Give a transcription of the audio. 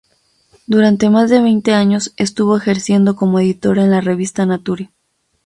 Durante más de veinte años estuvo ejerciendo como editor en la revista "Nature".